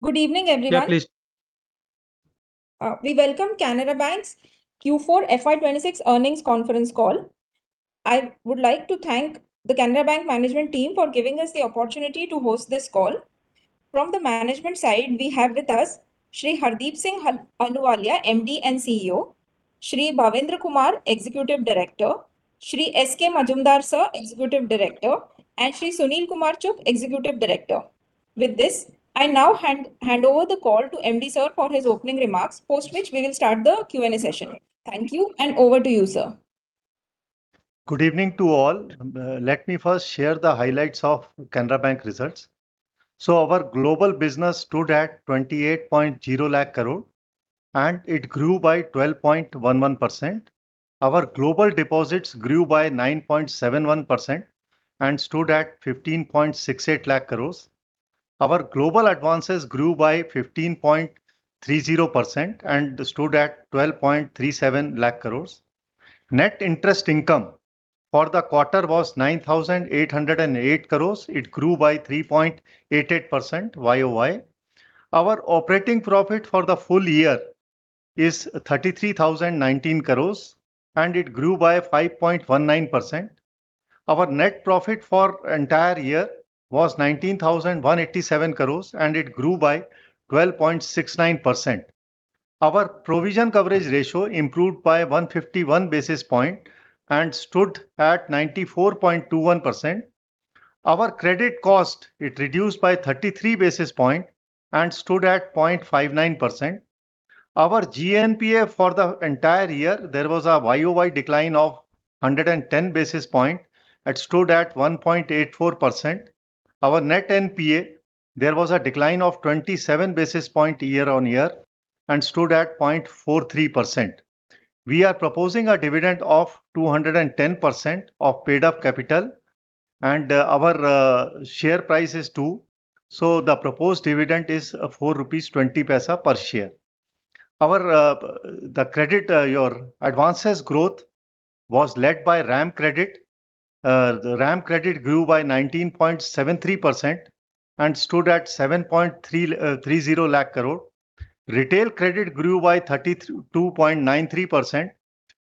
Good evening, everyone. Yeah, please. We welcome Canara Bank's Q4 FY 2026 earnings conference call. I would like to thank the Canara Bank management team for giving us the opportunity to host this call. From the management side, we have with us Shri Hardeep Singh Ahluwalia, MD and CEO. Shri Bhavendra Kumar, Executive Director. Shri S. K. Majumdar, sir, Executive Director, and Shri Sunil Kumar Chugh, Executive Director. With this, I now hand over the call to MD, sir, for his opening remarks, post which we will start the Q&A session. Thank you, and over to you, sir. Good evening to all. Let me first share the highlights of Canara Bank results. Our global business stood at 28.0 lakh crore, and it grew by 12.11%. Our global deposits grew by 9.71% and stood at 15.68 lakh crore. Our global advances grew by 15.30% and stood at 12.37 lakh crore. Net interest income for the quarter was 9,808 crore. It grew by 3.88% YoY. Our operating profit for the full year is 33,019 crore, and it grew by 5.19%. Our net profit for entire year was 19,187 crore, and it grew by 12.69%. Our provision coverage ratio improved by 151 basis points and stood at 94.21%. Our credit cost, it reduced by 33 basis points and stood at 0.59%. Our GNPA for the entire year, there was a YoY decline of 110 basis points. It stood at 1.84%. Our net NPA, there was a decline of 27 basis points year-on-year and stood at 0.43%. We are proposing a dividend of 210% of paid-up capital. Our share price is 2, the proposed dividend is 4.20 rupees per share. Our the credit your advances growth was led by RAM credit. The RAM credit grew by 19.73% and stood at 7.330 lakh crore. Retail credit grew by 32.93%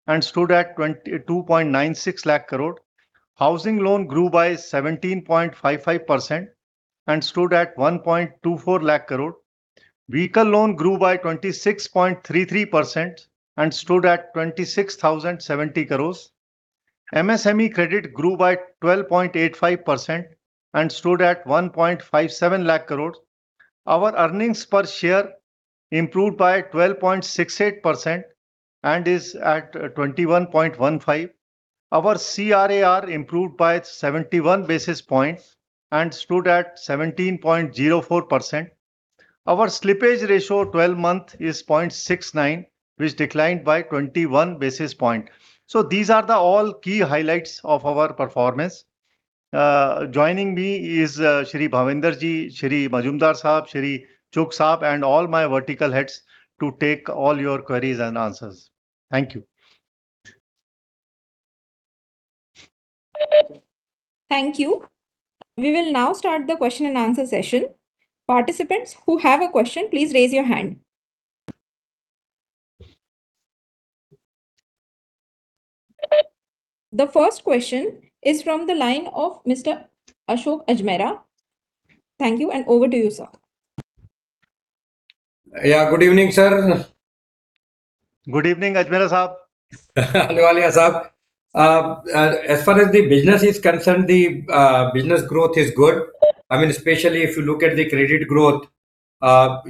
and stood at 22.96 lakh crore. Housing loan grew by 17.55% and stood at 1.24 lakh crore. Vehicle loan grew by 26.33% and stood at 26,070 crores. MSME credit grew by 12.85% and stood at 1.57 lakh crores. Our earnings per share improved by 12.68% and is at 21.15. Our CRAR improved by 71 basis points and stood at 17.04%. Our slippage ratio 12-month is 0.69, which declined by 21 basis points. These are the all key highlights of our performance. Joining me is Shri Bhavendra ji, Shri S.K. Majumdar sahib, Shri Sunil Kumar Chugh sahib, and all my vertical heads to take all your queries and answers. Thank you. Thank you. We will now start the question and answer session. Participants who have a question, please raise your hand. The first question is from the line of Mr. Ashok Ajmera. Thank you, and over to you, sir. Yeah, good evening, sir. Good evening, Ajmera Sahib. Ahluwalia Sahib. As far as the business is concerned, the business growth is good. I mean, especially if you look at the credit growth,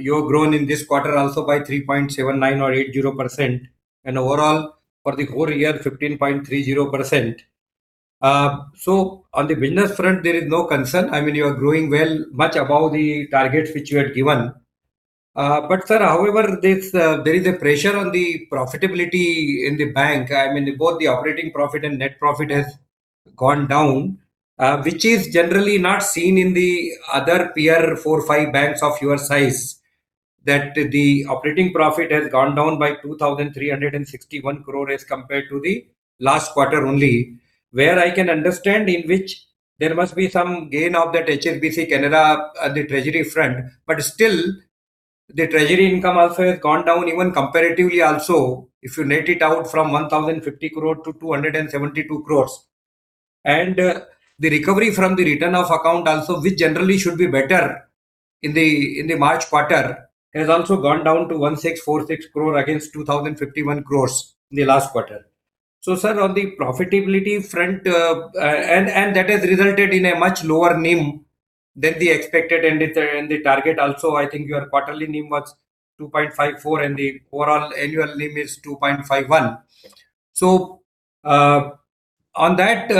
you're growing in this quarter also by 3.79% or 3.80% and overall for the whole year 15.30%. On the business front, there is no concern. I mean, you are growing well, much above the targets which you had given. Sir, however, this, there is a pressure on the profitability in the bank. I mean, both the operating profit and net profit has gone down, which is generally not seen in the other peer four, five banks of your size, that the operating profit has gone down by 2,361 crore as compared to the last quarter only. Where I can understand in which there must be some gain of that HSBC, Canara at the treasury front. Still, the treasury income also has gone down even comparatively also, if you net it out from 1,050 crore to 272 crore. The recovery from the return of account also, which generally should be better in the March quarter, has also gone down to 1,646 crore against 2,051 crore in the last quarter. Sir, on the profitability front, and that has resulted in a much lower NIM than the expected and the target also, I think your quarterly NIM was 2.54% and the overall annual NIM is 2.51%. On that,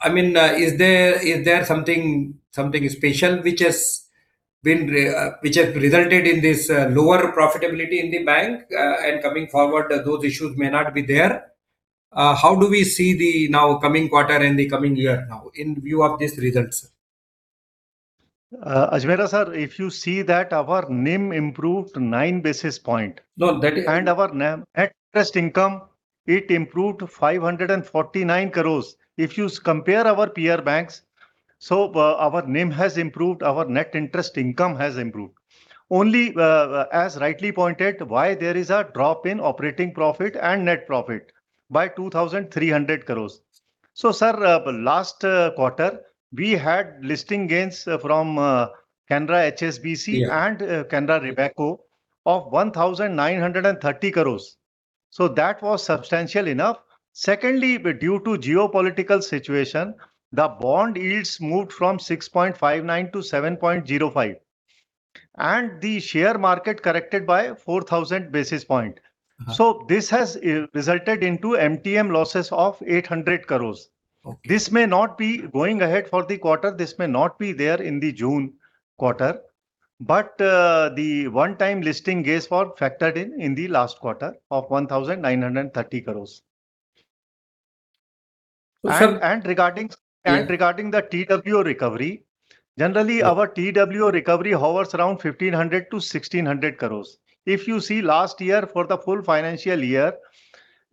I mean, is there something special which has resulted in this lower profitability in the bank, and coming forward those issues may not be there? How do we see the now coming quarter and the coming year now in view of these results? Ajmera sir, if you see that our NIM improved 9 basis points. No, that is- Our NIM Net interest income it improved to 549 crore. If you compare our peer banks, our NIM has improved, our net interest income has improved. Only, as rightly pointed, why there is a drop in operating profit and net profit by 2,300 crore. Sir, last quarter, we had listing gains from Canara HSBC. Yeah and Canara Robeco of 1,930 crores. That was substantial enough. Secondly, due to geopolitical situation, the bond yields moved from 6.59 to 7.05. The share market corrected by 4,000 basis points. This has resulted into MTM losses of 800 crores. Okay. This may not be going ahead for the quarter. This may not be there in the June quarter. The one-time listing gains were factored in the last quarter of 1,930 crores. So- And, and regarding- Yeah regarding the TWO recovery. Yeah our TWO recovery hovers around 1,500 crore-1,600 crore. If you see last year, for the full financial year,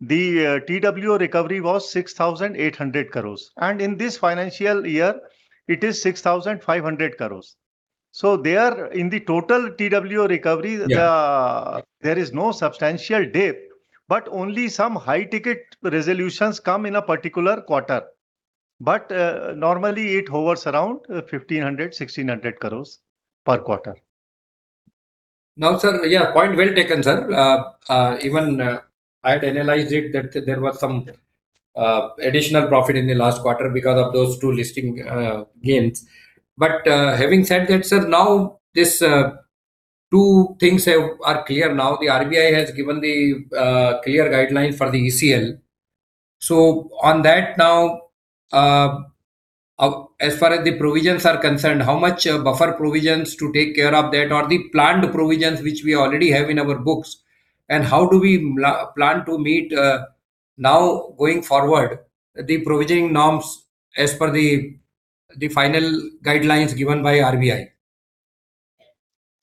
the TWO recovery was 6,800 crore, and in this financial year, it is 6,500 crore. there, in the total TWO recovery. Yeah There is no substantial dip, but only some high ticket resolutions come in a particular quarter. Normally, it hovers around 1,500 crores-1,600 crores per quarter. Now, sir, yeah, point well taken, sir. Even I had analyzed it, that there was some additional profit in the last quarter because of those two listing gains. Having said that, sir, now this two things have are clear now. The RBI has given the clear guideline for the ECL. On that now, as far as the provisions are concerned, how much buffer provisions to take care of that, or the planned provisions which we already have in our books, and how do we plan to meet now going forward the provisioning norms as per the final guidelines given by RBI?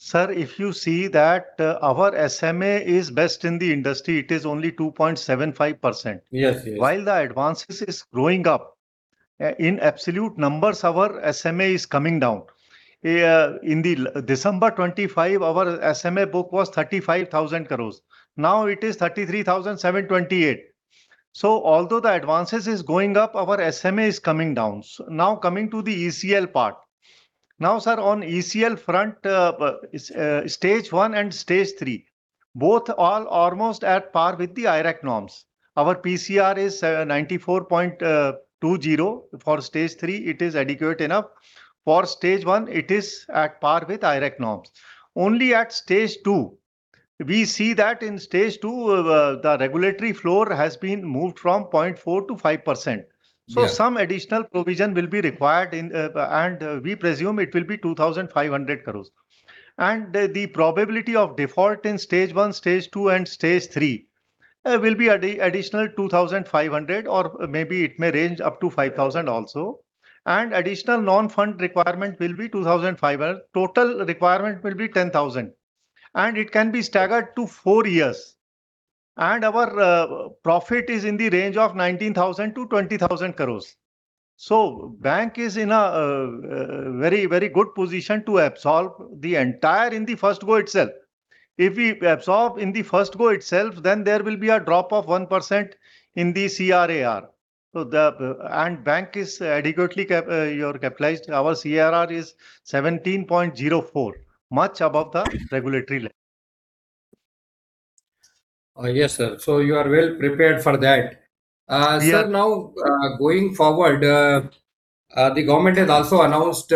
Sir, if you see that, our SMA is best in the industry. It is only 2.75%. Yes, yes. While the advances is going up, in absolute numbers our SMA is coming down. In the December 25, our SMA book was 35,000 crore. Now it is 33,728 crore. Although the advances is going up, our SMA is coming down. Now coming to the ECL part. Now, sir, on ECL front, stage one and stage three, both are almost at par with the IRAC norms. Our PCR is 94.20%. For stage two it is adequate enough. For stage one, it is at par with IRAC norms. Only at stage two. We see that in stage two, the regulatory floor has been moved from 0.4% to 5%. Yeah. Some additional provision will be required, and we presume it will be 2,500 crores. The probability of default in stage one, stage two and stage three will be additional 2,500 or maybe it may range up to 5,000 also. Additional non-fund requirement will be 2,500. Total requirement will be 10,000. It can be staggered to four years. Our profit is in the range of 19,000-20,000 crores. Bank is in a very, very good position to absorb the entire in the first go itself. If we absorb in the first go itself, then there will be a drop of 1% in the CRAR. Bank is adequately capitalized. Our CRR is 17.04%, much above the regulatory limit. Yes, sir. You are well prepared for that. Yeah sir, now, going forward, the government has also announced,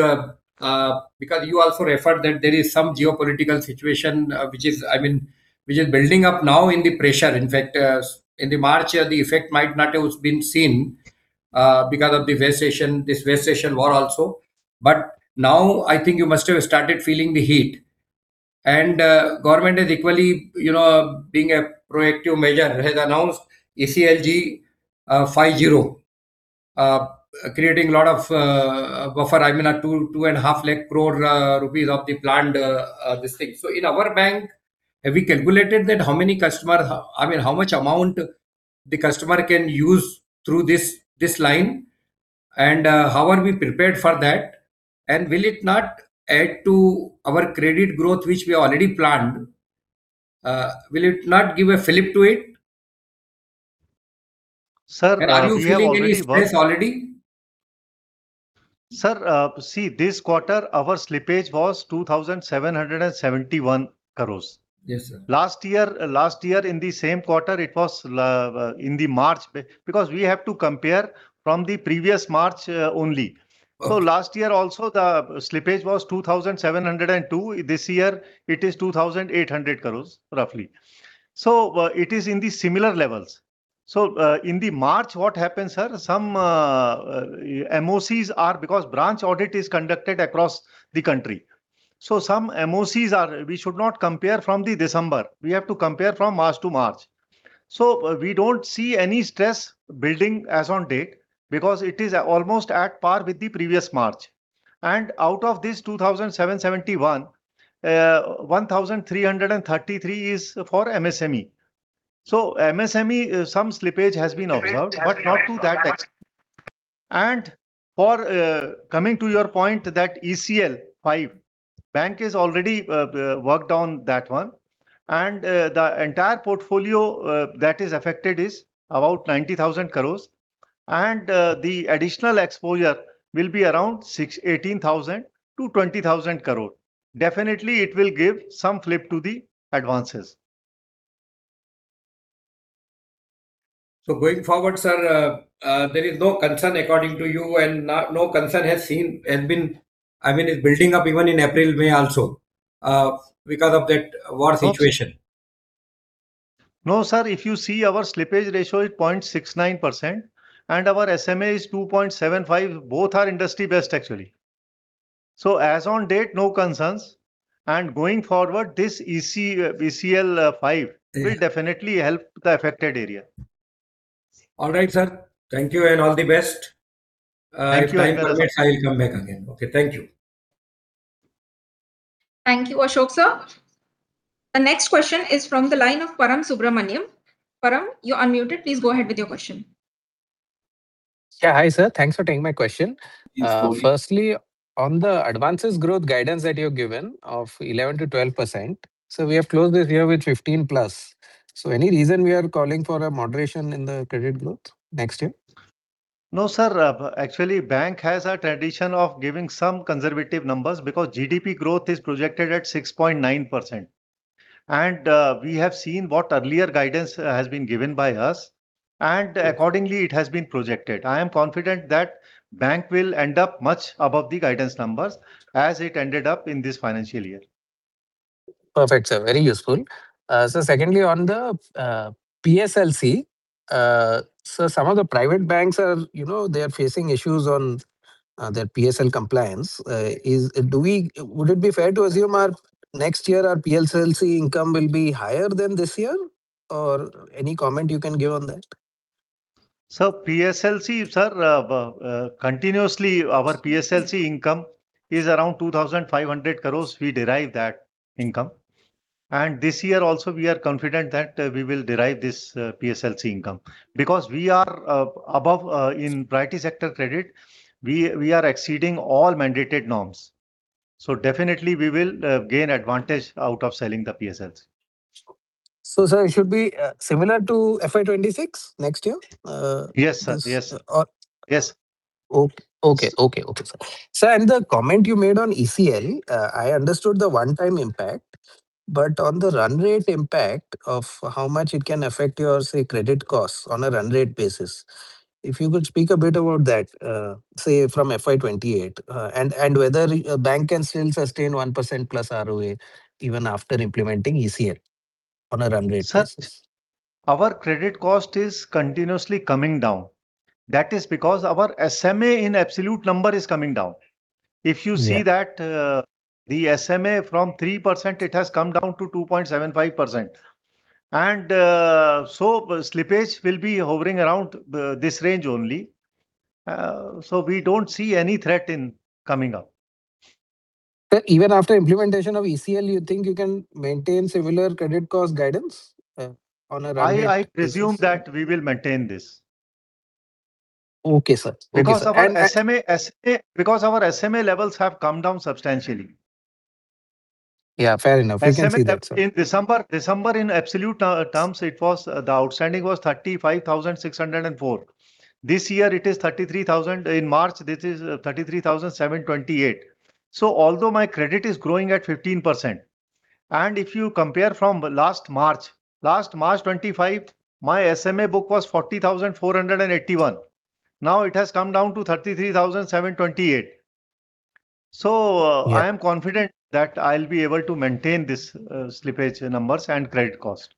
because you also referred that there is some geopolitical situation, which is, I mean, which is building up now in the pressure. In fact, in the March, the effect might not have been seen, because of the recession, this recession war also. Now I think you must have started feeling the heat. Government is equally, you know, being a proactive measure, has announced ECLGS 5.0, creating a lot of buffer, I mean, 2.5 lakh crore rupees of the planned this thing. In our bank, have we calculated that how many customer, I mean, how much amount the customer can use through this line? How are we prepared for that? Will it not add to our credit growth which we already planned? Will it not give a flip to it? Sir, we have already. Are you feeling any stress already? Sir, see, this quarter our slippage was 2,771 crores. Yes, sir. Last year in the same quarter it was in the March because we have to compare from the previous March only. Okay. Last year also the slippage was 2,702. This year it is 2,800 crores roughly. It is in the similar levels. In the March, what happens, sir, some MOCs are because branch audit is conducted across the country. Some MOCs are, we should not compare from the December. We have to compare from March to March. We don't see any stress building as on date because it is almost at par with the previous March. And out of this 2,771, 1,333 is for MSME. MSME, some slippage has been observed. Observed, has been Not to that extent. For, coming to your point that ECL 5, bank is already worked on that one. The entire portfolio that is affected is about 90,000 crore and, the additional exposure will be around 18,000 crore-20,000 crore. Definitely it will give some flip to the advances. Going forward, sir, there is no concern according to you and no concern has been, I mean, is building up even in April, May also, because of that war situation. No, sir. If you see our slippage ratio is 0.69% and our SMA is 2.75%. Both are industry best actually. As on date, no concerns, and going forward, this ECL 5 will definitely help the affected area. All right, sir. Thank you, and all the best. Thank you. I will come back again. Okay, thank you. Thank you, Ashok sir. The next question is from the line of Param Subramanian. Param, you're unmuted, please go ahead with your question. Yeah. Hi, sir. Thanks for taking my question. Yes, go ahead. Firstly, on the advances growth guidance that you've given of 11%-12%, we have closed this year with 15+. Any reason we are calling for a moderation in the credit growth next year? No, sir. Actually, Bank has a tradition of giving some conservative numbers because GDP growth is projected at 6.9%. We have seen what earlier guidance has been given by us, and accordingly it has been projected. I am confident that Bank will end up much above the guidance numbers as it ended up in this financial year. Perfect, sir. Very useful. Secondly, on the PSLC, some of the private banks are, you know, they are facing issues on their PSL compliance. Would it be fair to assume next year our PSLC income will be higher than this year? Any comment you can give on that? PSLC, sir, continuously our PSLC income is around 2,500 crore we derive that income. This year also we are confident that we will derive this PSLC income. We are above in priority sector credit, we are exceeding all mandated norms. Definitely we will gain advantage out of selling the PSLCs. Sir, it should be similar to FY 2026 next year? Yes, sir. Yes. Or- Yes. Okay, okay. Okay, sir. Sir, the comment you made on ECL, I understood the one-time impact, but on the run rate impact of how much it can affect your, say, credit costs on a run rate basis. If you could speak a bit about that, say, from FY 2028, and whether your bank can still sustain 1% plus ROA even after implementing ECL on a run rate basis. Sir, our credit cost is continuously coming down. That is because our SMA in absolute number is coming down. Yeah. If you see that, the SMA from 3% it has come down to 2.75%. Slippage will be hovering around this range only. We don't see any threat in coming up. Sir, even after implementation of ECL, you think you can maintain similar credit cost guidance on a run rate basis? I presume that we will maintain this. Okay, sir. Okay. Our SMA levels have come down substantially. Yeah, fair enough. We can see that, sir. SMA in December, in absolute terms it was, the outstanding was 35,604. This year it is 33,000. In March, this is 33,728. Although my credit is growing at 15%, and if you compare from last March, last March 2025, my SMA book was 40,481. Now it has come down to 33,728. Yeah. I am confident that I'll be able to maintain this slippage numbers and credit cost.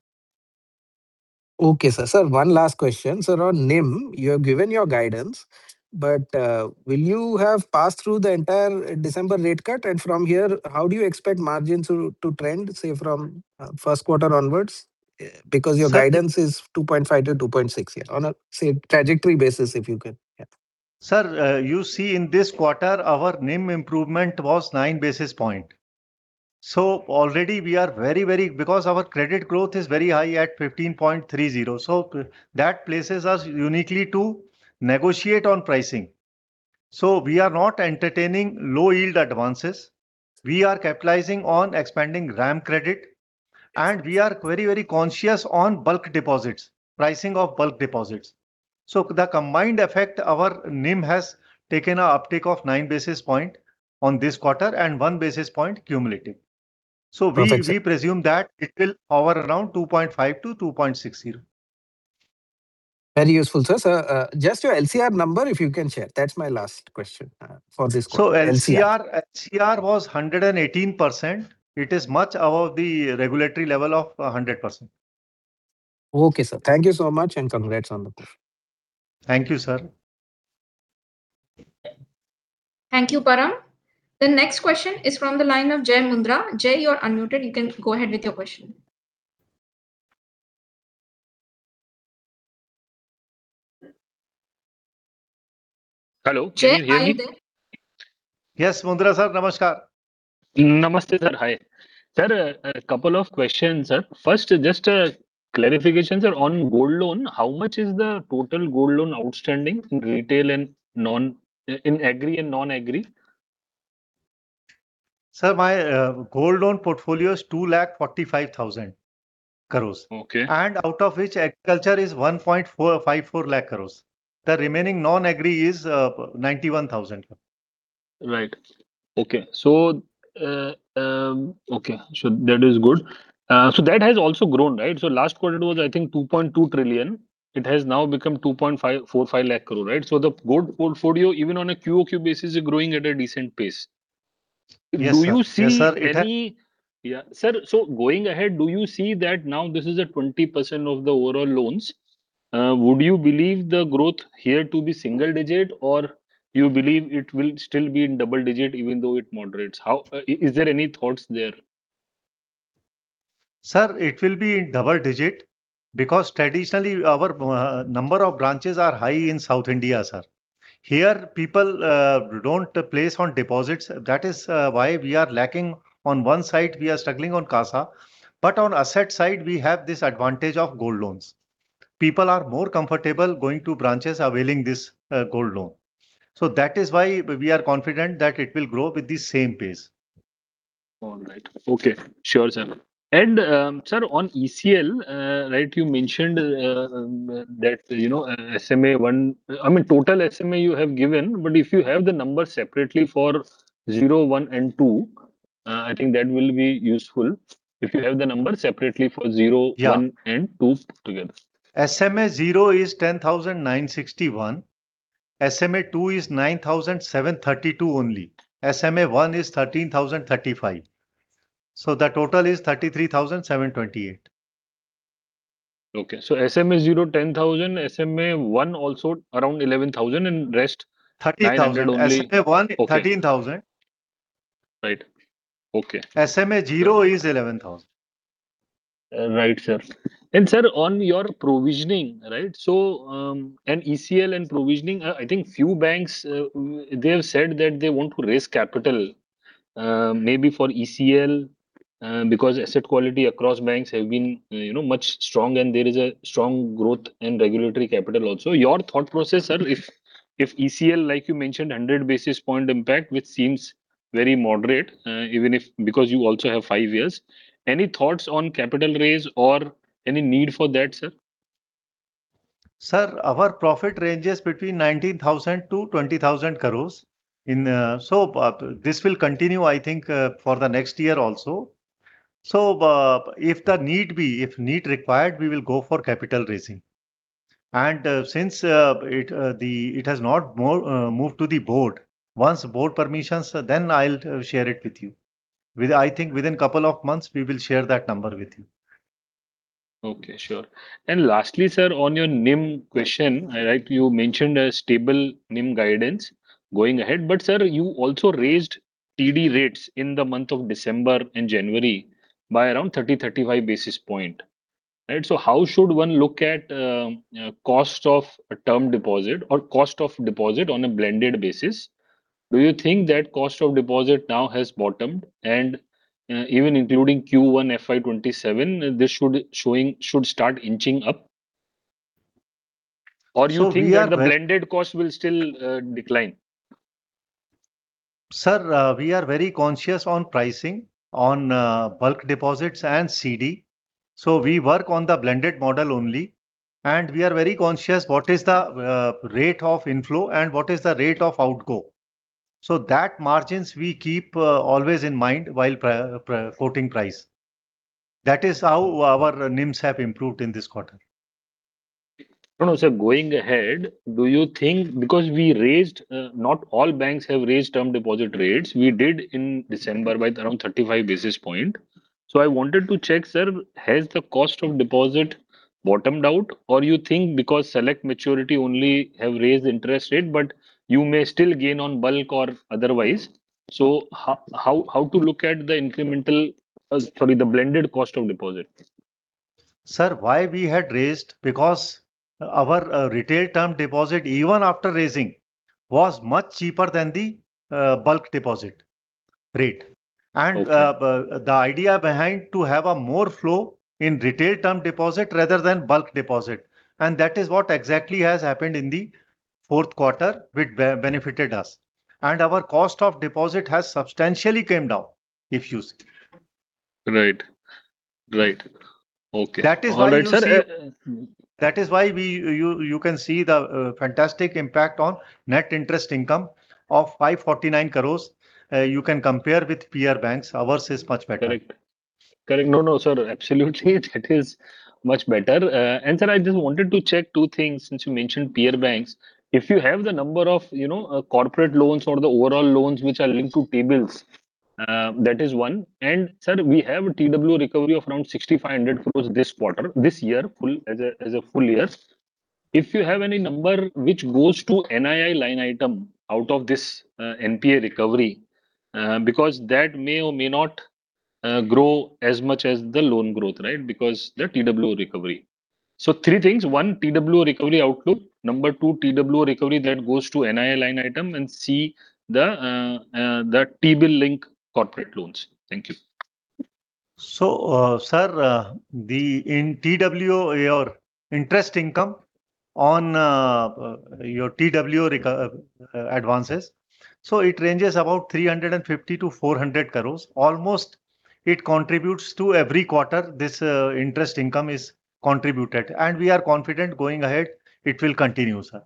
Okay, sir. Sir, one last question, sir, on NIM. You have given your guidance, but, will you have passed through the entire December rate cut? From here, how do you expect margins to trend, say, from first quarter onwards? Because your guidance- Sir- is 2.5-2.6 here. On a, say, trajectory basis, if you could. Yeah. Sir, you see in this quarter our NIM improvement was 9 basis point. Our credit growth is very high at 15.30, that places us uniquely to negotiate on pricing. We are not entertaining low yield advances. We are capitalizing on expanding RAM credit, and we are very conscious on bulk deposits, pricing of bulk deposits. The combined effect, our NIM has taken a uptick of 9 basis point on this quarter and 1 basis point cumulative. Perfect, sir. We presume that it will hover around 2.5%-2.60%. Very useful, sir. Just your LCR number, if you can share. That's my last question, for this quarter. LCR. LCR was 118%. It is much above the regulatory level of 100%. Okay, sir. Thank you so much, and congrats on the performance. Thank you, sir. Thank you, Param. The next question is from the line of Jai Mundhra. Jay, you are unmuted, you can go ahead with your question. Hello. Jai Prakash Mundhra, are you there? Yes, Mundhra, sir. Namaskar. Namaste, sir. Hi. Sir, a couple of questions, sir. First, just a clarification, sir. On gold loan, how much is the total gold loan outstanding in retail and in agri and non-agri? Sir, my gold loan portfolio is 2,45,000 crores. Okay. Out of which agriculture is 1.454 lakh crores. The remaining non-agri is 91,000. Right. Okay. Okay. That is good. That has also grown, right? Last quarter it was, I think, 2.2 trillion. It has now become 2.545 lakh crore, right? The gold portfolio, even on a QoQ basis, is growing at a recent pace. Yes, sir. Yes, sir. Sir, going ahead, do you see that now this is at 20% of the overall loans, would you believe the growth here to be single digit, or you believe it will still be in double digit, even though it moderates? How? Is there any thoughts there? Sir, it will be in double digit because traditionally our number of branches are high in South India, sir. Here people don't place on deposits. That is why we are lacking. On one side, we are struggling on CASA, but on asset side, we have this advantage of gold loans. People are more comfortable going to branches availing this gold loan. That is why we are confident that it will grow with the same pace. All right. Okay. Sure, sir. Sir, on ECL, right, you mentioned that, you know, SMA 1 I mean, total SMA you have given, but if you have the numbers separately for 0, 1, and 2, I think that will be useful. Yeah one, and two together. SMA 0 is 10,961. SMA 2 is 9,732 only. SMA 1 is 13,035. The total is 33,728. SMA 0, 10,000. SMA 1, also around 11,000. 30,000. 900 only. SMA one, 13,000. Okay. Right. Okay. SMA zero is 11,000. Right, sir. Sir, on your provisioning, right? ECL and provisioning, I think few banks, they have said that they want to raise capital, maybe for ECL, because asset quality across banks have been, you know, much strong and there is a strong growth in regulatory capital also. Your thought process, sir, if ECL, like you mentioned, 100 basis points impact, which seems very moderate, even if, because you also have five years. Any thoughts on capital raise or any need for that, sir? Sir, our profit ranges between 19,000 crore-20,000 crore in. This will continue, I think, for the next year also. If the need be, if need required, we will go for capital raising. Since it has not moved to the board, once board permissions, then I'll share it with you. I think within couple of months, we will share that number with you. Okay. Sure. Lastly, sir, on your NIM question, like you mentioned, a stable NIM guidance going ahead. Sir, you also raised TD rates in the month of December and January by around 30-35 basis points. Right. How should one look at cost of a term deposit or cost of deposit on a blended basis? Do you think that cost of deposit now has bottomed and, even including Q1 FY 2027, this should start inching up? Or you think that. So we are- the blended cost will still decline? Sir, we are very conscious on pricing on bulk deposits and CD. We work on the blended model only, and we are very conscious what is the rate of inflow and what is the rate of outgo. Margins we keep always in mind while quoting price. That is how our NIMs have improved in this quarter. No, no, sir. Going ahead, do you think, because we raised, not all banks have raised term deposit rates. We did in December by around 35 basis points. I wanted to check, sir, has the cost of deposit bottomed out? You think because select maturity only have raised interest rate, but you may still gain on bulk or otherwise. How to look at the incremental, sorry, the blended cost of deposit? Sir, why we had raised, because our retail term deposit, even after raising, was much cheaper than the bulk deposit rate. Okay. The idea behind to have a more flow in retail term deposit rather than bulk deposit. That is what exactly has happened in the fourth quarter, which benefited us. Our cost of deposit has substantially came down, if you see. Right. Right. Okay. That is why you see. All right, sir. That is why you can see the fantastic impact on net interest income of 549 crores. You can compare with peer banks. Ours is much better. Correct. No, sir. Absolutely. That is much better. Sir, I just wanted to check two things since you mentioned peer banks. If you have the number of, you know, corporate loans or the overall loans which are linked to T-bills, that is one. Sir, we have a TWO recovery of around 6,500 crore this quarter, this year, full, as a full year. If you have any number which goes to NII line item out of this, NPA recovery. Because that NII may not grow as much as the loan growth, right? Because the TWO recovery. Three things, one TWO recovery outlook. Number two, TWO recovery that goes to NII line item. C, the T-bill linked corporate loans. Thank you. Sir, in TWO, your interest income on your TWO advances. It ranges about 350 crores- 400 crores. Almost it contributes to every quarter, this interest income is contributed. We are confident going ahead it will continue, sir.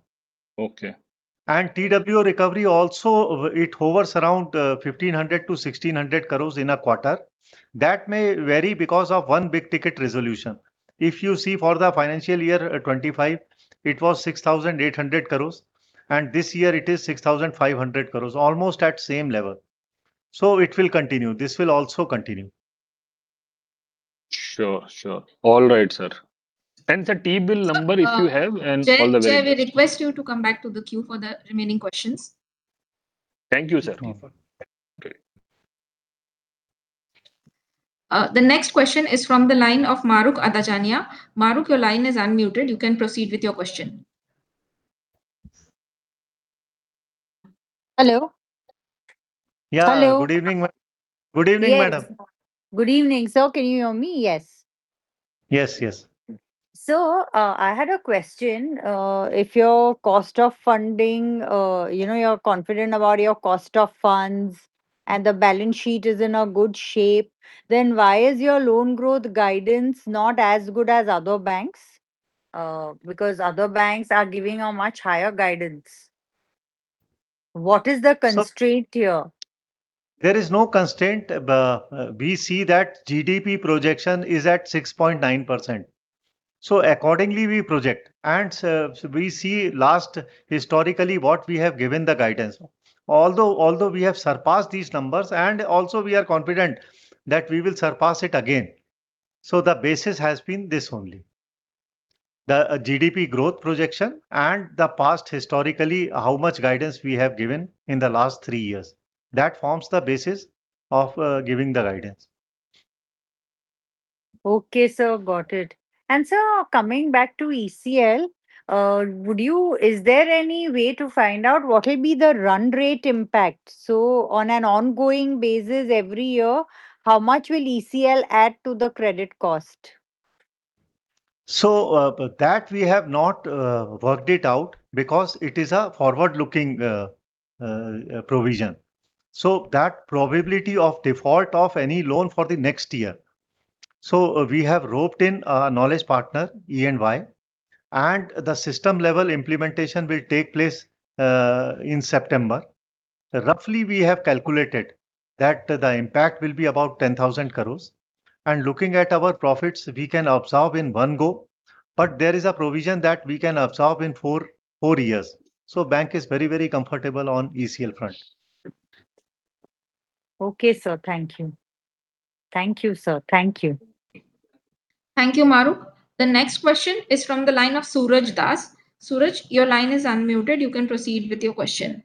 Okay. TWO recovery also, it hovers around 1,500 crores-1,600 crores in a quarter. That may vary because of one big ticket resolution. If you see for the FY 2025, it was 6,800 crores, and this year it is 6,500 crores. Almost at same level. It will continue. This will also continue. Sure. Sure. All right, sir. Sir, T-bill number if you have? Sir, chair, we request you to come back to the queue for the remaining questions. Thank you, sir. No problem. Okay. The next question is from the line of Mahrukh Adajania. Mahrukh, your line is unmuted. You can proceed with your question. Hello? Yeah. Hello. Good evening, good evening, madam. Yes. Good evening, sir. Can you hear me? Yes. Yes. Yes. Sir, I had a question. If your cost of funding, you know, you're confident about your cost of funds and the balance sheet is in a good shape, why is your loan growth guidance not as good as other banks? Other banks are giving a much higher guidance. What is the constraint here? There is no constraint. We see that GDP projection is at 6.9%, so accordingly we project. We see last historically what we have given the guidance. Although we have surpassed these numbers and also we are confident that we will surpass it again. The basis has been this only. The GDP growth projection and the past historically how much guidance we have given in the last three years. That forms the basis of giving the guidance. Okay, sir. Got it. Sir, coming back to ECL, Is there any way to find out what will be the run rate impact? On an ongoing basis every year, how much will ECL add to the credit cost? That we have not worked it out because it is a forward-looking provision, so that probability of default of any loan for the next year. We have roped in our knowledge partner, EY, and the system level implementation will take place in September. Roughly we have calculated that the impact will be about 10,000 crore, and looking at our profits, we can absorb in one go. There is a provision that we can absorb in four years. Bank is very, very comfortable on ECL front. Okay, sir. Thank you. Thank you, sir. Thank you. Thank you, Mahrukh. The next question is from the line of Suraj Das. Suraj, your line is unmuted. You can proceed with your question.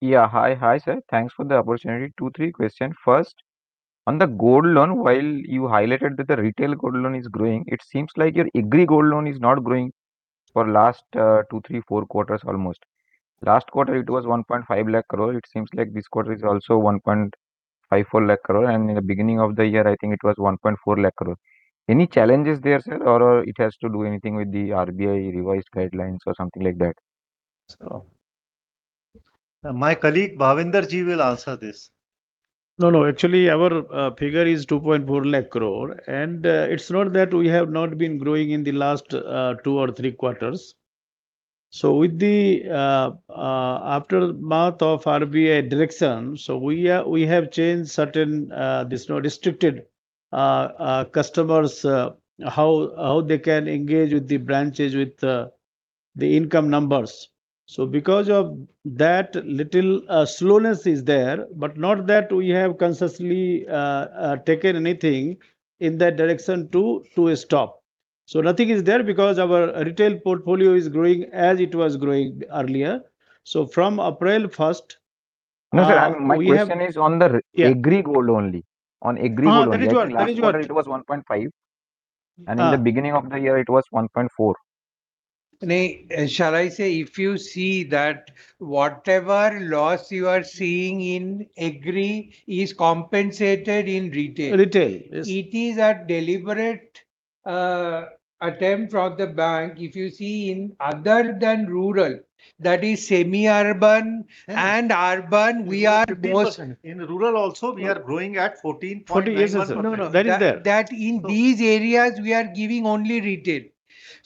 Yeah. Hi, sir. Thanks for the opportunity. two, three question. First, on the gold loan, while you highlighted that the retail gold loan is growing, it seems like your agri gold loan is not growing for last, two, three, four quarters almost. Last quarter it was 1.5 lakh crore. It seems like this quarter is also 1.54 lakh crore, and in the beginning of the year I think it was 1.4 lakh crore. Any challenges there, sir? Or it has to do anything with the RBI revised guidelines or something like that? So. My colleague Bhavendra Kumar will answer this. No, no, actually, our figure is 2.4 lakh crore. It's not that we have not been growing in the last two or three quarters. With the aftermath of RBI direction, we have changed certain this, you know, restricted customers, how they can engage with the branches with the income numbers. Because of that little slowness is there, but not that we have consciously taken anything in that direction to stop. Nothing is there because our retail portfolio is growing as it was growing earlier. From April 1st. No, sir, my question is on. Yeah agri gold only. On agri gold only. That is there. That is there. Last quarter it was 1.5 lakh crore. In the beginning of the year it was 1.4 lakh crore. No. Shall I say, if you see that whatever loss you are seeing in agri is compensated in retail. Retail, yes. It is a deliberate attempt of the bank. If you see in other than rural, that is semi-urban and urban, we are most- 50%. In rural also we are growing at 14.91%. 48%. That is there. No, no. That in these areas we are giving only retail.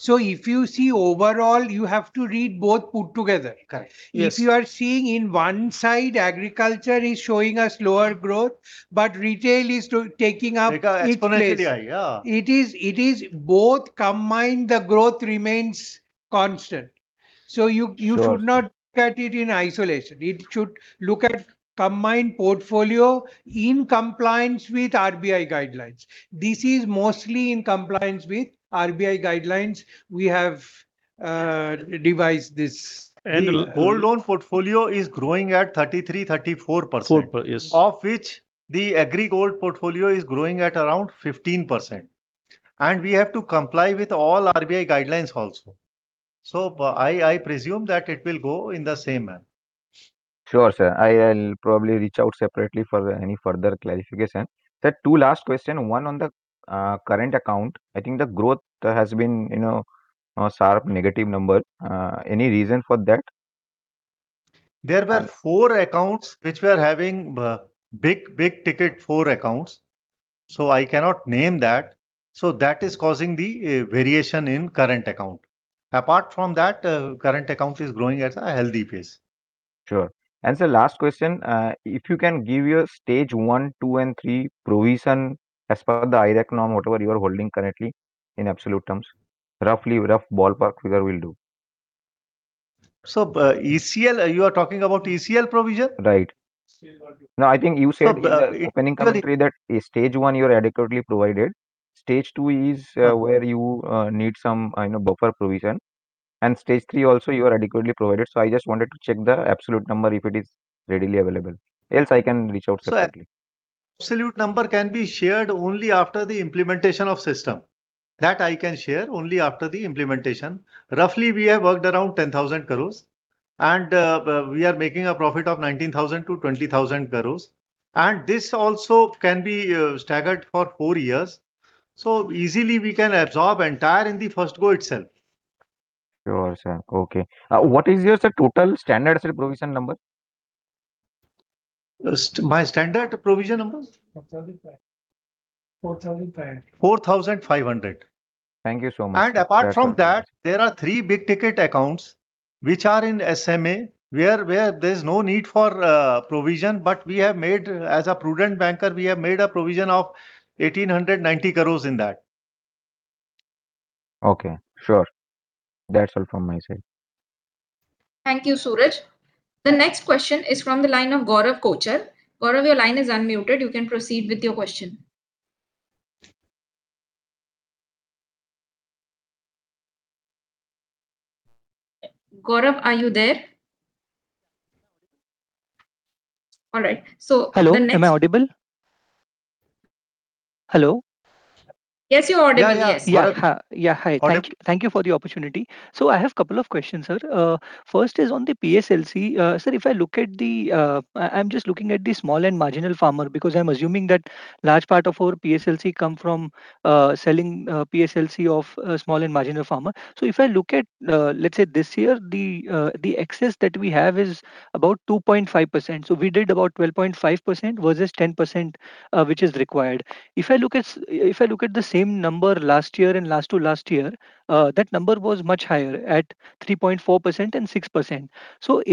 If you see overall, you have to read both put together. Correct. Yes. You are seeing in one side agriculture is showing a slower growth, but retail is taking up its place. Like, exponentially, yeah. It is both combined, the growth remains constant. Sure. You should not look at it in isolation. It should look at combined portfolio in compliance with RBI guidelines. This is mostly in compliance with RBI guidelines. Uh, revise this- Gold loan portfolio is growing at 33%-34%. Four, yes. of which the agri gold portfolio is growing at around 15%. We have to comply with all RBI guidelines also. I presume that it will go in the same manner. Sure, sir. I'll probably reach out separately for any further clarification. Sir, two last question. One on the current account. I think the growth has been, you know, a sharp negative number. Any reason for that? There were four accounts which were having big ticket four accounts. I cannot name that. That is causing the variation in current account. Apart from that, current account is growing at a healthy pace. Sure. Sir, last question. If you can give your stage one, two, and three provision as per the IRAC norm, whatever you are holding currently in absolute terms. Roughly, rough ballpark figure will do. ECL, you are talking about ECL provision? Right. ECL provision. I think you said in the opening commentary that stage one you are adequately provided. Stage two is where you, need some, you know, buffer provision. Stage three also you are adequately provided. I just wanted to check the absolute number if it is readily available. Else, I can reach out separately. Sir, absolute number can be shared only after the implementation of system. That I can share only after the implementation. Roughly, we have worked around 10,000 crore and, we are making a profit of 19,000 crore-20,000 crore, and this also can be, staggered for four years. Easily we can absorb entire in the first go itself. Sure, sir. Okay. What is your, sir, total standard asset provision number? My standard provision numbers? 4,500. Thank you so much. That's all. Apart from that, there are three big ticket accounts which are in SMA, where there's no need for provision, but we have made, as a prudent banker, we have made a provision of 1,890 crores in that. Okay. Sure. That's all from my side. Thank you, Suraj. The next question is from the line of Gaurav Kochar. Gaurav, your line is unmuted. You can proceed with your question. Gaurav, are you there? All right. Hello, am I audible? Hello? Yes, you are audible. Yes. Yeah, yeah. Yeah. Hi. Audible. Thank you, thank you for the opportunity. I have a couple of questions, sir. First is on the PSLC. Sir, if I look at the, I'm just looking at the small and marginal farmer because I'm assuming that large part of our PSLC come from selling PSLC of small and marginal farmer. If I look at, let's say this year, the excess that we have is about 2.5%. We did about 12.5% versus 10%, which is required. If I look at the same number last year and last to last year, that number was much higher, at 3.4% and 6%.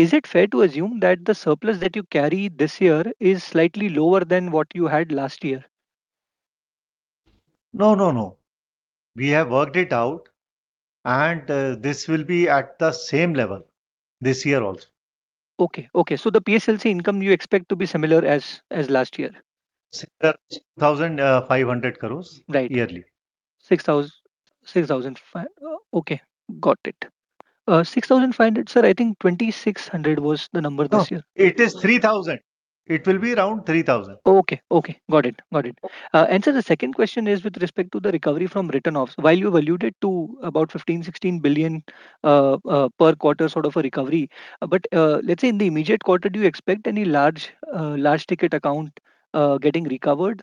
Is it fair to assume that the surplus that you carry this year is slightly lower than what you had last year? No, no. We have worked it out, and this will be at the same level this year also. Okay. Okay. The PSLC income you expect to be similar as last year? 6500 crores. Right yearly. 6,000, 6,005. Okay, got it. 6,500. Sir, I think 2,600 was the number this year. No, it is 3,000. It will be around 3,000. Okay. Okay. Got it. Got it. Sir, the second question is with respect to the recovery from write-offs. While you valued it to about 15 billion-16 billion per quarter sort of a recovery. Let's say in the immediate quarter, do you expect any large ticket account getting recovered,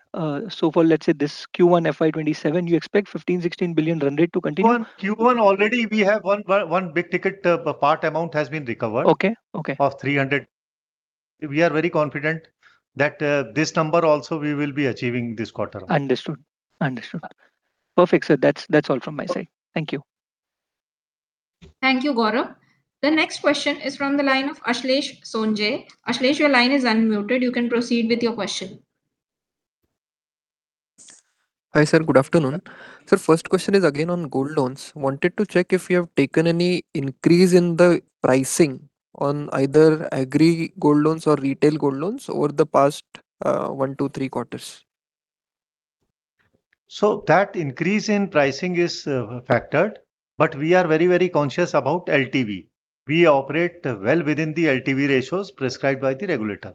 so for, let's say, this Q1 FY 2027, you expect 15 billion-16 billion run rate to continue? Q1 already we have one big ticket part amount has been recovered. Okay. Okay. Of 300. We are very confident that this number also we will be achieving this quarter. Understood. Understood. Perfect, sir. That's all from my side. Thank you. Thank you, Gaurav. The next question is from the line of Ashlesh Sonje. Ashlesh, your line is unmuted. You can proceed with your question. Hi, sir. Good afternoon. Sir, first question is again on gold loans. Wanted to check if you have taken any increase in the pricing on either agri gold loans or retail gold loans over the past, one, two, three quarters? That increase in pricing is factored, but we are very conscious about LTV. We operate well within the LTV ratios prescribed by the regulator.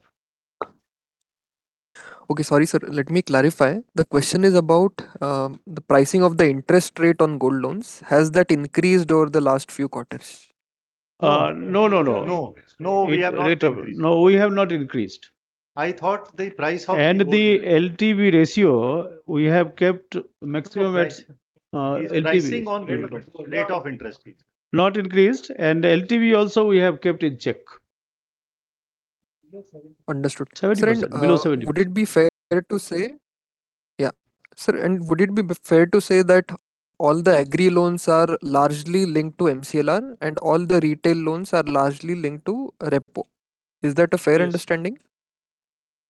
Okay. Sorry, sir. Let me clarify. The question is about the pricing of the interest rate on gold loans. Has that increased over the last few quarters? No, no. No. No, we have not increased. No, we have not increased. I thought the price of the gold. The LTV ratio, we have kept maximum at. Pricing on rate of interest. Rate of interest. Not increased, and LTV also we have kept in check. Understood. 70%. Below 70%. Sir, would it be fair to say that all the agri loans are largely linked to MCLR and all the retail loans are largely linked to repo? Is that a fair understanding?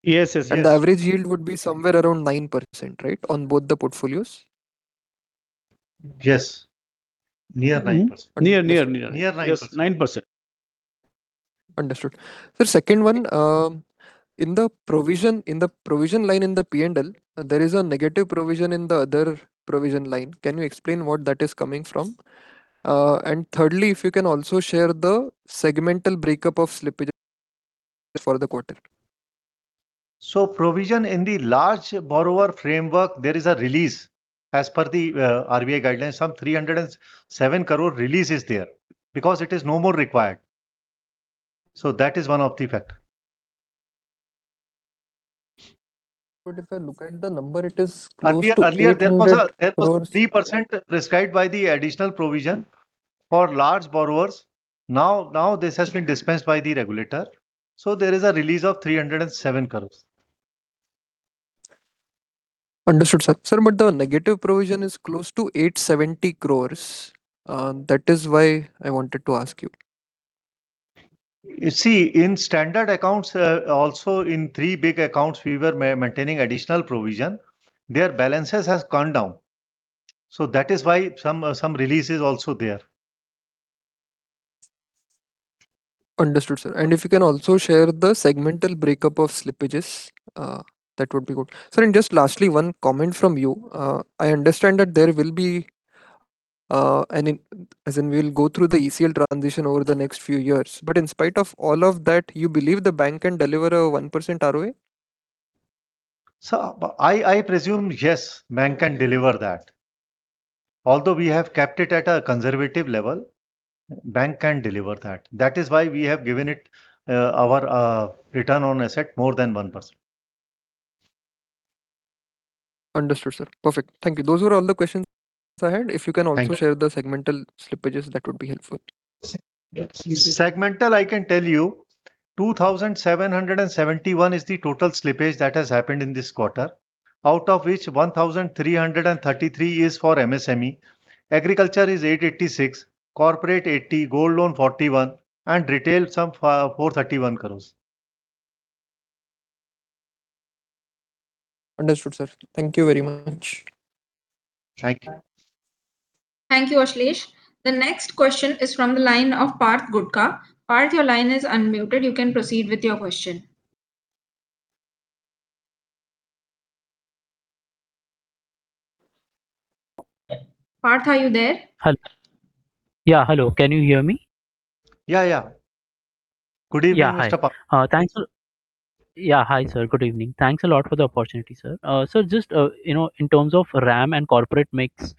Yes. Yes, yes. The average yield would be somewhere around 9%, right, on both the portfolios? Yes. Near 9%. Mm-hmm. Near. Near 9%. Yes, 9%. Understood. The second one, in the provision line in the P&L, there is a negative provision in the other provision line. Can you explain what that is coming from? Thirdly, if you can also share the segmental breakup of slippage for the quarter. Provision in the large borrower framework, there is a release as per the RBI guidelines. Some 307 crore release is there because it is no more required. That is one of the factor. If I look at the number, it is close to INR 800 crores. Earlier, there was 3% prescribed by the additional provision for large borrowers. Now, this has been dispensed by the regulator, so there is a release of 307 crores. Understood, sir. Sir, the negative provision is close to 870 crores. That is why I wanted to ask you. You see, in standard accounts, also in three big accounts, we were maintaining additional provision. Their balances has gone down. That is why some release is also there. Understood, sir. If you can also share the segmental breakup of slippages, that would be good. Sir, just lastly, one comment from you. I understand that we'll go through the ECL transition over the next few years. In spite of all of that, you believe the bank can deliver a 1% ROA? I presume yes, bank can deliver that. Although we have kept it at a conservative level, bank can deliver that. That is why we have given it our return on asset more than 1%. Understood, sir. Perfect. Thank you. Those were all the questions I had. Thank you. If you can also share the segmental slippages, that would be helpful. Segmental, I can tell you, 2,771 is the total slippage that has happened in this quarter, out of which 1,333 is for MSME. Agriculture is 886, corporate 80, gold loan 41, and retail some 431 crores. Understood, sir. Thank you very much. Thank you. Thank you, Ashlesh. The next question is from the line of Parth Gutka. Parth, your line is unmuted. You can proceed with your question. Parth, are you there? Hello. Yeah, hello. Can you hear me? Yeah, yeah. Good evening, Mr. Parth. Yeah. Hi, sir. Good evening. Thanks a lot for the opportunity, sir. Just, you know, in terms of RAM and corporate mix,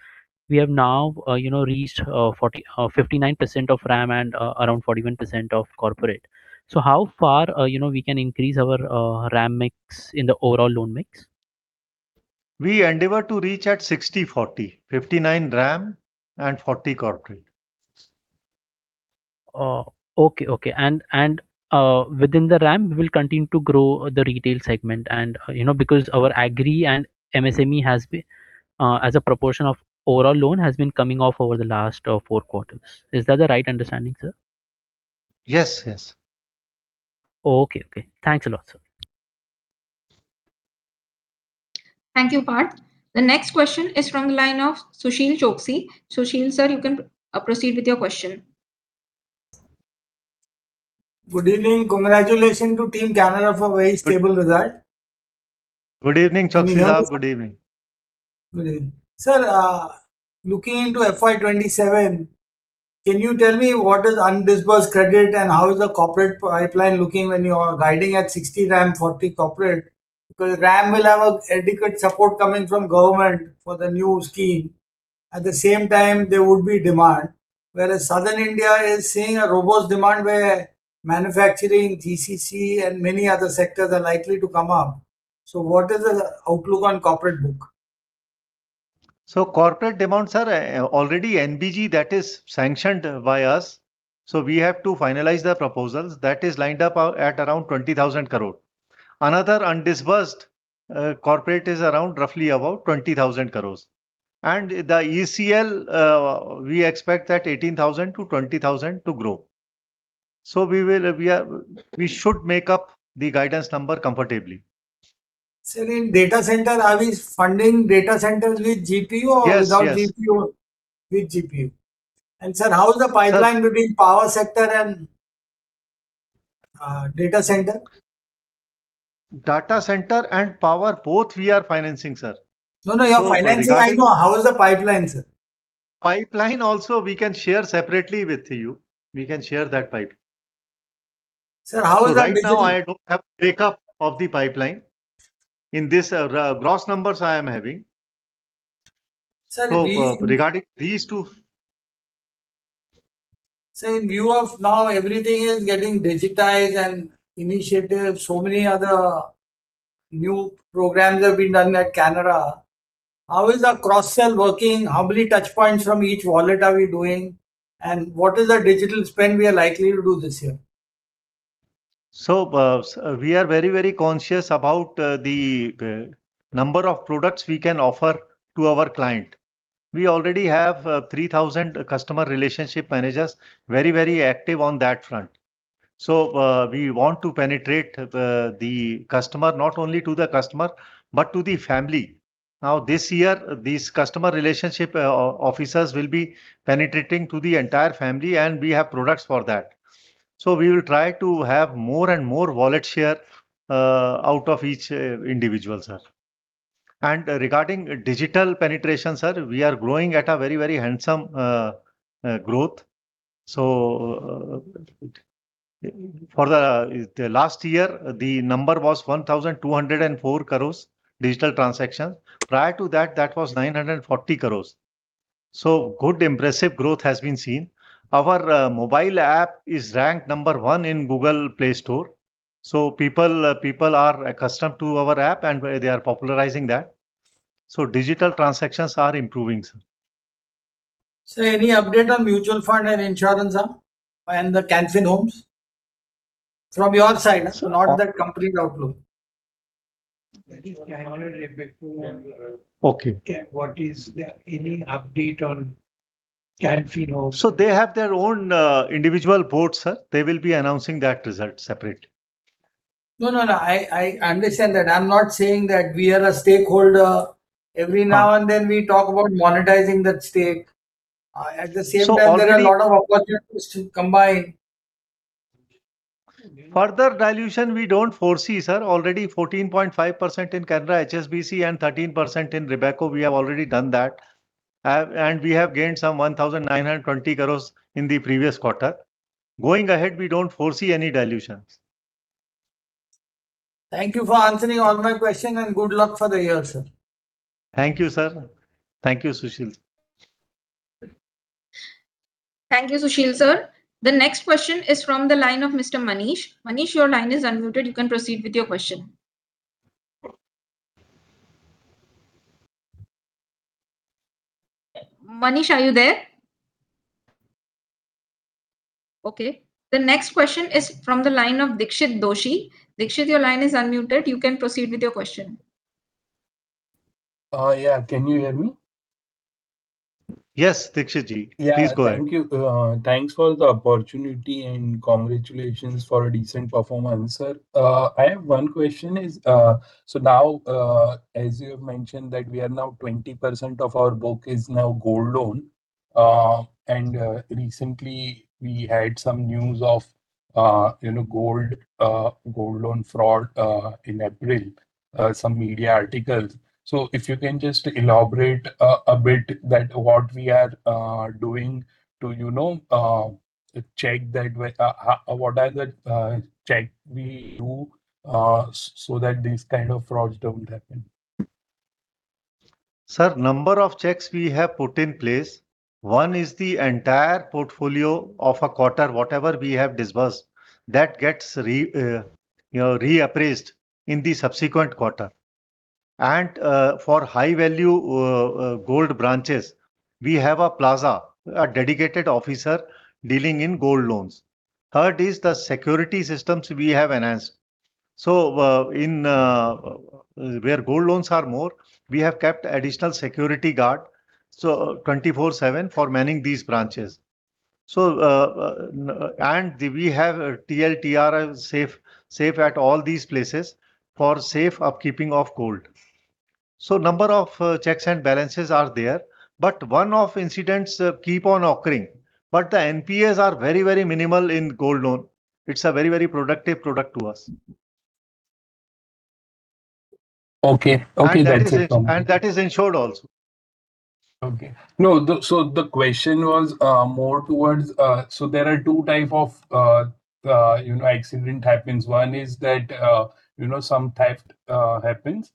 we have now, you know, reached 40%, 59% of RAM and, around 41% of corporate. How far, you know, we can increase our RAM mix in the overall loan mix? We endeavor to reach at 60/40. 59% RAM and 40% corporate. Okay, okay. Within the RAM, we will continue to grow the retail segment and, you know, because our agri and MSME has been as a proportion of overall loan has been coming off over the last four quarters. Is that the right understanding, sir? Yes, yes. Okay, okay. Thanks a lot, sir. Thank you, Parth. The next question is from the line of Sushil Choksey. Sushil, sir, you can proceed with your question. Good evening. Congratulations to team Canara for a very stable result. Good evening, Choksey. Good evening. Good evening. Sir, looking into FY 2027, can you tell me what is undisbursed credit and how is the corporate pipeline looking when you are guiding at 60% RAM, 40% corporate? RAM will have adequate support coming from government for the new scheme. At the same time, there would be demand. Southern India is seeing a robust demand where manufacturing, GCC and many other sectors are likely to come up. What is the outlook on corporate book? Corporate demands are already NBG, that is sanctioned by us. We have to finalize the proposals. That is lined up at around 20,000 crore. Another undisbursed corporate is around roughly about 20,000 crores. The ECL, we expect that 18,000-20,000 to grow. We should make up the guidance number comfortably. Sir, in data center, are we funding data centers with GPU? Yes. without GPU or with GPU? Sir, how is the pipeline between power sector and data center? Data center and power, both we are financing, sir. No, no, you are financing, I know. How is the pipeline, sir? Pipeline also we can share separately with you. We can share that pipe. Sir, how is the business? Right now I don't have breakup of the pipeline. In this, gross numbers I am having. Sir. regarding these two- Sir, in view of now everything is getting digitized and initiatives, so many other new programs have been done at Canara. How is the cross-sell working? How many touchpoints from each wallet are we doing? What is the digital spend we are likely to do this year? We are very, very conscious about the number of products we can offer to our client. We already have 3,000 customer relationship managers, very, very active on that front. We want to penetrate the customer, not only to the customer, but to the family. Now this year, these customer relationship officers will be penetrating to the entire family, and we have products for that. We will try to have more and more wallet share out of each individual, sir. Regarding digital penetration, sir, we are growing at a very, very handsome growth. For the last year, the number was 1,204 crore digital transactions. Prior to that was 940 crore. Good, impressive growth has been seen. Our mobile app is ranked number one in Google Play Store, people are accustomed to our app and they are popularizing that. Digital transactions are improving, sir. Any update on mutual fund and insurance, and the Can Fin Homes? From your side, sir, not that company outlook. That is Canara Robeco and, Okay Any update on Can Fin Homes? They have their own, individual boards, sir. They will be announcing that result separate. No, no, I understand that. I'm not saying that we are a stakeholder. Uh- Every now and then we talk about monetizing that stake. So already- There are a lot of opportunities to combine. Further dilution we don't foresee, sir. Already 14.5% in Canara HSBC and 13% in Robeco, we have already done that. We have gained some 1,920 crores in the previous quarter. Going ahead, we don't foresee any dilutions. Thank you for answering all my question, and good luck for the year, sir. Thank you, sir. Thank you, Sushil. Thank you, Sushil, sir. The next question is from the line of Mr. Manish. Manish, your line is unmuted, you can proceed with your question. Manish, are you there? Okay. The next question is from the line of Dixit Doshi. Dixit, your line is unmuted, you can proceed with your question. Yeah, can you hear me? Yes, Dixit Ji. Yeah. Please go ahead. Thank you. Thanks for the opportunity, and congratulations for a decent performance, sir. I have one question. Now, as you have mentioned that we are now 20% of our book is now gold loan. Recently we had some news of, you know, gold loan fraud in April, some media articles. If you can just elaborate a bit that what we are doing to, you know, check that what are the check we do so that these kind of frauds don't happen. Sir, number of checks we have put in place. One is the entire portfolio of a quarter, whatever we have disbursed, that gets re-, you know, reappraised in the subsequent quarter. For high value gold branches, we place a dedicated officer dealing in gold loans. Third is the security systems we have enhanced. In where gold loans are more, we have kept additional security guard, 24/7 for manning these branches. We have a TRTL safe at all these places for safe upkeeping of gold. Number of checks and balances are there, but one-off incidents keep on occurring. The NPAs are very, very minimal in gold loan. It's a very, very productive product to us. Okay. Okay, that's it from me. That is insured also. Okay. No, the question was, more towards. There are two type of, you know, accident happens. One is that, you know, some theft happens.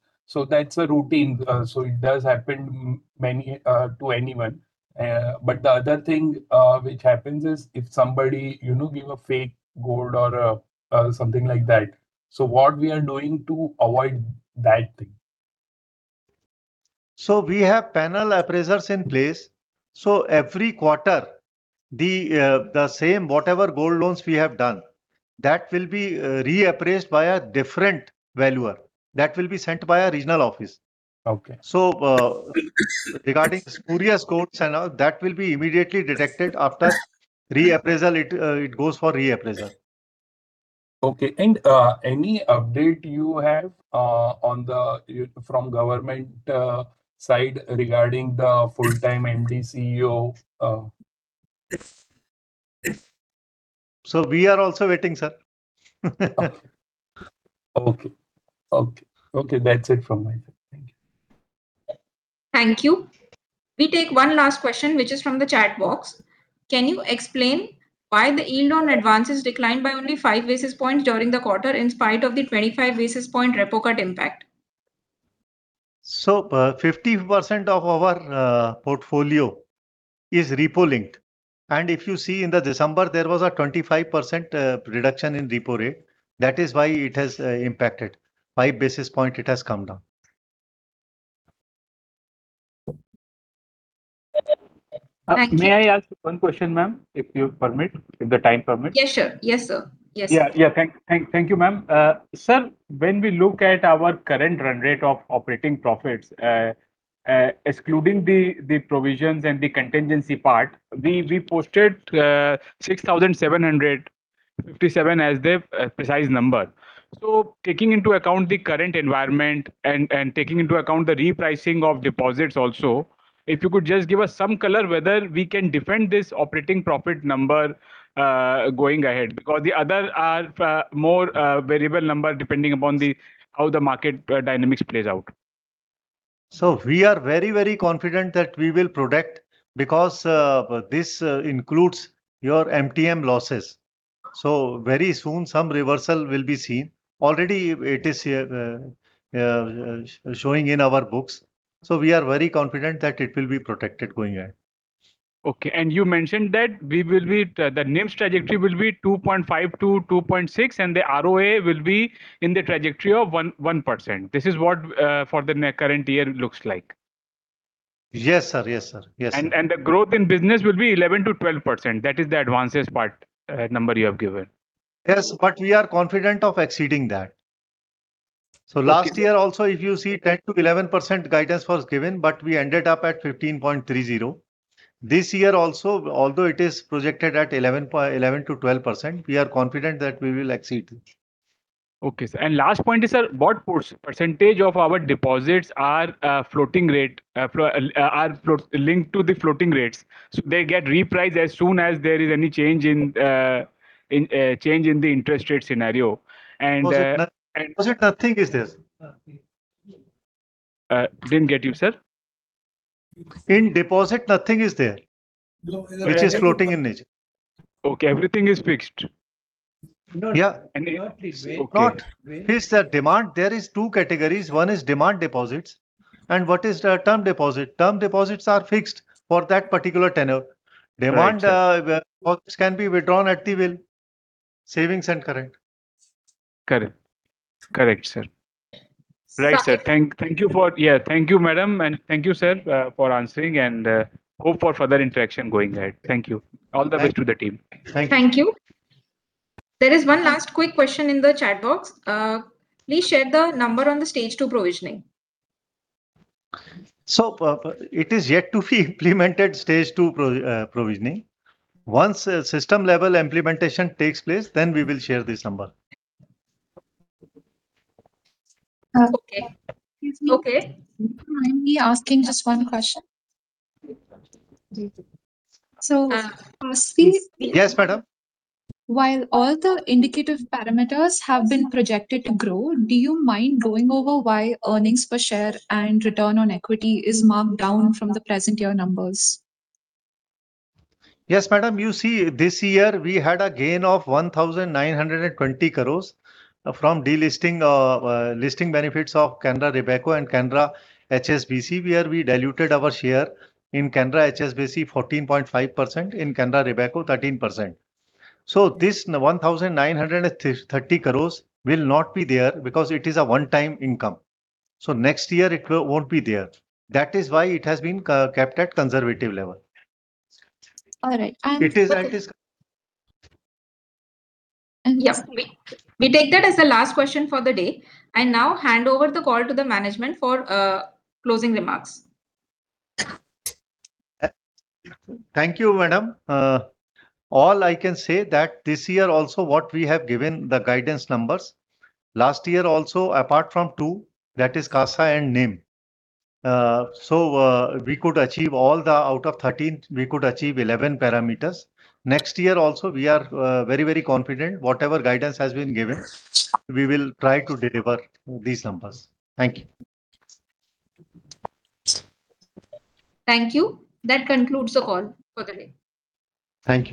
That's a routine, so it does happen many to anyone. But the other thing, which happens is if somebody, you know, give a fake gold or something like that. What we are doing to avoid that thing? We have panel appraisers in place. Every quarter, the same whatever gold loans we have done, that will be reappraised by a different valuer that will be sent by a regional office. Okay. Regarding spurious gold and all, that will be immediately detected after reappraisal. It goes for reappraisal. Okay. Any update you have on the from government side regarding the full-time MD CEO? We are also waiting, sir. Okay. Okay. Okay, that's it from my side. Thank you. Thank you. We take one last question, which is from the chat box. Can you explain why the yield on advances declined by only 5 basis points during the quarter in spite of the 25 basis point repo cut impact? 50% of our portfolio is repo linked. If you see in the December, there was a 25% reduction in repo rate. That is why it has impacted. 5 basis point it has come down. Thank you. May I ask one question, ma'am, if you permit, if the time permits? Yeah, sure. Yes, sir. Yes. Yeah. Thank you, ma'am. Sir, when we look at our current run rate of operating profits, excluding the provisions and the contingency part, we posted 6,700 57 as the precise number. Taking into account the current environment and taking into account the repricing of deposits also, if you could just give us some color whether we can defend this operating profit number going ahead. The other are more variable number depending upon how the market dynamics plays out. We are very confident that we will protect because this includes your MTM losses. Very soon some reversal will be seen. Already it is showing in our books. We are very confident that it will be protected going ahead. Okay. You mentioned that the NIMs trajectory will be 2.5%-2.6%, and the ROA will be in the trajectory of 1%. This is what for the current year looks like. Yes, sir. Yes, sir. Yes, sir. The growth in business will be 11% to 12%. That is the advances part, number you have given. Yes, we are confident of exceeding that. Okay. Last year also, if you see, 10%-11% guidance was given, but we ended up at 15.30%. This year also, although it is projected at 11%-12%, we are confident that we will exceed it. Okay. Last point is, sir, what percentage of our deposits are floating rate linked to the floating rates? They get repriced as soon as there is any change in the interest rate scenario. Deposit nothing is there. Didn't get you, sir. In deposit, nothing is there which is floating in nature. Okay. Everything is fixed. Yeah. Not fixed rate. Not. It's the demand. There is two categories. One is demand deposits. What is the term deposit. Term deposits are fixed for that particular tenure. Correct, sir. Demand deposits can be withdrawn at the will. Savings and current. Correct. Correct, sir. Right, sir. Saurabh- Thank you for Yeah, thank you, madam, and thank you, sir, for answering and hope for further interaction going ahead. Thank you. All the best to the team. Thank you. Thank you. There is 1 last quick question in the chat box. Please share the number on the stage two provisioning. It is yet to be implemented stage two provisioning. Once a system-level implementation takes place, we will share this number. Okay. Excuse me. Okay. Do you mind me asking just one question? Please. So, uh, firstly- Yes, madam. While all the indicative parameters have been projected to grow, do you mind going over why earnings per share and return on equity is marked down from the present year numbers? Yes, madam. You see, this year we had a gain of 1,920 crores from delisting, listing benefits of Canara Robeco and Canara HSBC, where we diluted our share in Canara HSBC 14.5%, in Canara Robeco 13%. This 1,913 crores will not be there because it is a one-time income. Next year it won't be there. That is why it has been kept at conservative level. All right. It is at this- Yeah. We take that as the last question for the day. Now hand over the call to the management for closing remarks. Thank you, madam. All I can say that this year also what we have given the guidance numbers, last year also, apart from two, that is CASA and NIM. We could achieve all the out of 13, we could achieve 11 parameters. Next year also, we are very, very confident whatever guidance has been given, we will try to deliver these numbers. Thank you. Thank you. That concludes the call for the day. Thank you.